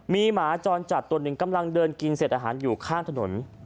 มีหมาจรจัดตัวหนึ่งกำลังเดินกินเสร็จอาหารอยู่ข้างถนน